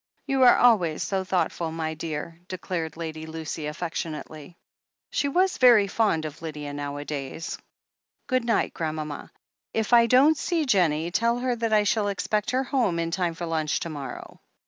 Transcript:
"You are always so thoughtful, my dear," declared Lady Lucy affectionately. She was very fond of Lydia nowadays. "Good night, grandmama. If I don't see Jennie, tell her that I shall expect her home in time for lunch to morrow."